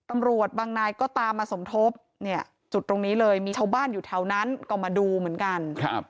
ตำรวจบางนายก็ตามมาสมทบเนี่ยจุดตรงนี้เลยมีชาวบ้านอยู่แถวนั้นก็มาดูเหมือนกัน